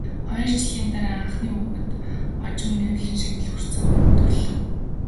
Хоёр жилийн дараа анхны хүүхэд, хожим Нобелийн шагнал хүртсэн охин нь төрлөө.